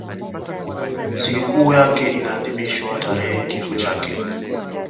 Sikukuu yake inaadhimishwa tarehe ya kifo chake.